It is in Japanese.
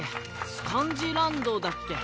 スカンディランドだっけ？